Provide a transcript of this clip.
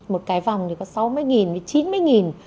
một cái vòng thì có sáu mươi nghìn chín mươi nghìn